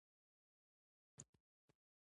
ټوله حجره په دوه مساوي برخو ویشل کیږي.